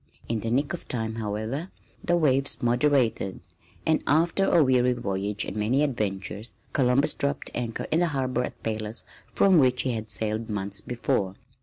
In the nick of time, however, the waves moderated, and after a weary voyage and many adventures Columbus dropped anchor in the harbor at Palos from which he had sailed months before.